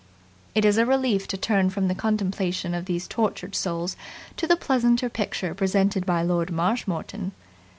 It is a relief to turn from the contemplation of these tortured souls to the pleasanter picture presented by Lord Marshmoreton.